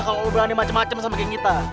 kalo lo berani macem macem sama geng kita